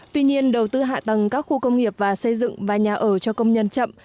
tuy nhiên đầu tư hạ tầng các khu công nghiệp và xây dựng và nhà ở cho công nhân chậm